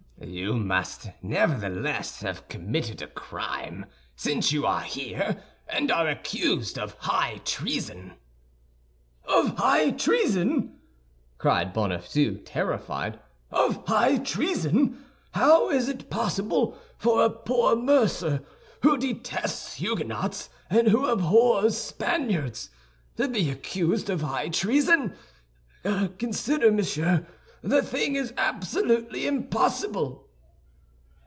"You must, nevertheless, have committed a crime, since you are here and are accused of high treason." "Of high treason!" cried Bonacieux, terrified; "of high treason! How is it possible for a poor mercer, who detests Huguenots and who abhors Spaniards, to be accused of high treason? Consider, monsieur, the thing is absolutely impossible."